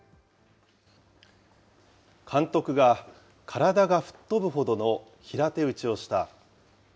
監督が体が吹っ飛ぶほどの平手打ちをした。